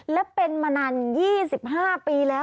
และเป็นมานาน๒๕ปีแล้ว